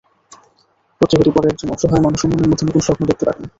পত্রিকাটি পড়ে একজন অসহায় মানুষও মনের মধ্যে নতুন স্বপ্ন দেখতে পারেন।